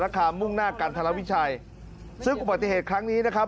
คามุ่งหน้ากันธรวิชัยซึ่งอุบัติเหตุครั้งนี้นะครับ